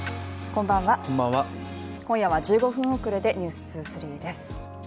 こんばんは、１５分遅れで「ｎｅｗｓ２３」です。